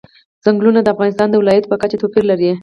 چنګلونه د افغانستان د ولایاتو په کچه توپیر لري.